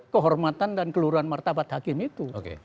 kehormatan dan keluruhan martabat hakim itu